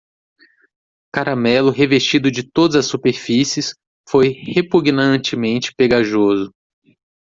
Caramelo revestido de todas as superfícies? foi repugnantemente pegajoso.